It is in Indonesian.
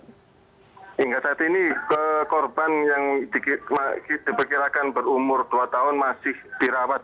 hingga saat ini korban yang diperkirakan berumur dua tahun masih dirawat